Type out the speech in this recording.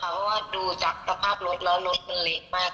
เพราะว่าดูจากสภาพรถแล้วรถมันเละมาก